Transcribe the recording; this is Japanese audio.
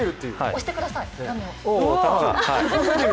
押してください、画面を。